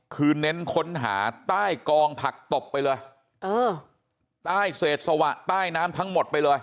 คือเน้นค้นหาใต้กองผักตบไปเลยเออใต้เศษสวะใต้น้ำทั้งหมดไปเลย